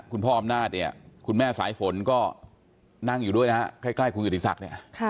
คุณพ่ออำนาจคุณแม่สายฝนก็นั่งอยู่ด้วยใกล้คุณอุทิศักดิ์